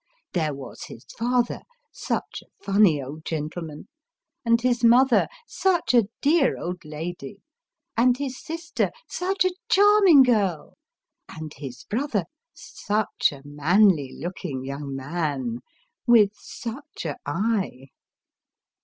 There was his father, such a funny old gentleman and his mother, such a dear old lady and his sister, such a charming girl and his brother, such a manly looking young man with such a eye